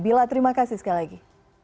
bila terima kasih sekali lagi